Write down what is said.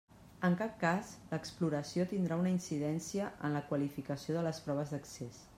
En cap cas l'exploració tindrà una incidència en la qualificació de les proves d'accés.